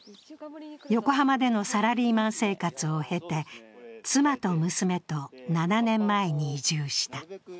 横浜でのサラリーマン生活を経て、妻と娘と７年前に移住した。